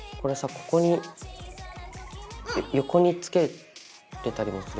ここに横につけれたりもする？